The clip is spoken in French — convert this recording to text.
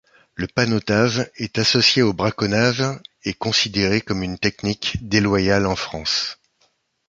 Le panneautage est associé au braconnage et considéré comme une technique déloyale en France.